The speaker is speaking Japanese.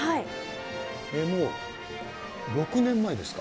もう、６年前ですか？